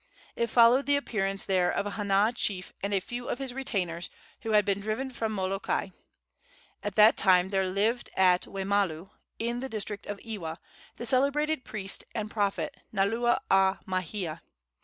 It followed the appearance there of a Hana chief and a few of his retainers, who had been driven from Molokai. At that time there lived at Waimalu, in the district of Ewa, the celebrated priest and prophet Naula a Maihea.